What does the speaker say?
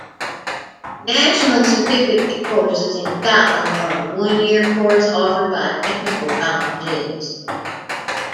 National Certificate courses in Scotland are a one-year course offered by Technical Colleges.